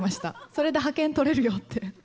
それで覇権とれるよって。